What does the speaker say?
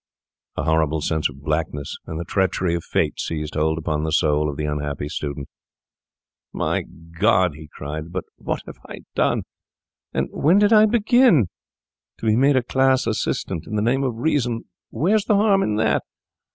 A horrible sense of blackness and the treachery of fate seized hold upon the soul of the unhappy student. 'My God!' he cried, 'but what have I done? and when did I begin? To be made a class assistant—in the name of reason, where's the harm in that?